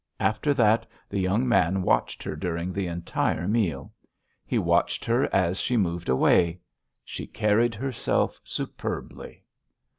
After that the young man watched her during the entire meal. He watched her as she moved away. She carried herself superbly.